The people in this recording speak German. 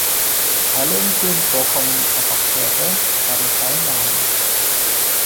Alle im Film vorkommenden Charaktere haben keinen Namen.